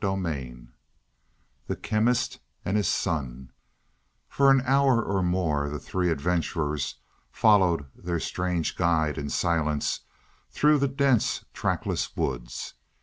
CHAPTER XVIII THE CHEMIST AND HIS SON For an hour or more the three adventurers followed their strange guide in silence through the dense, trackless woods.